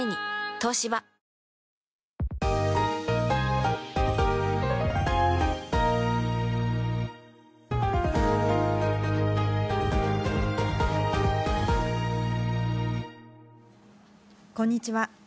東芝こんにちは。